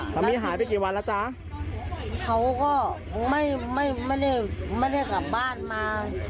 สามีหายไปกี่วันแล้วจ้ะเขาก็ไม่ไม่ไม่ได้ไม่ได้กลับบ้านมา